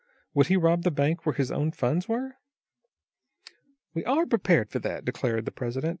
Would he rob the bank where his own funds were?" "We are prepared for that," declared the president.